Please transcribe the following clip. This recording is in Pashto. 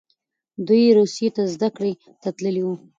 دوی روسیې ته زده کړې ته تللي وو.